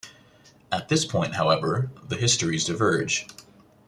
At this point, however, the histories diverge.